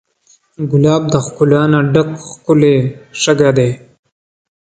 ګلاب د ښکلا نه ډک ښکلی شګه دی.